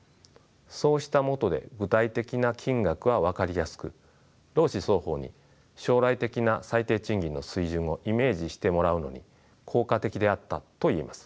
そうしたもとで具体的な金額は分かりやすく労使双方に将来的な最低賃金の水準をイメージしてもらうのに効果的であったと言えます。